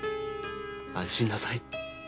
安心なさい。